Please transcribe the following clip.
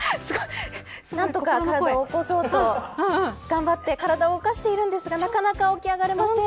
何とか体を起こそうと頑張って体を動かしているんですがなかなか起き上がれません。